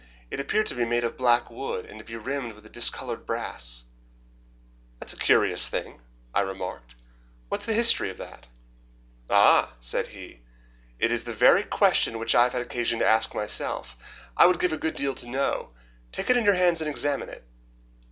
It appeared to be made of black wood, and to be rimmed with discoloured brass. "That is a curious thing," I remarked. "What is the history of that?" "Ah!" said he, "it is the very question which I have had occasion to ask myself. I would give a good deal to know. Take it in your hands and examine it."